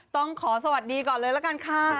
ต้องขอสวัสดีก่อนเลยละกันค่ะ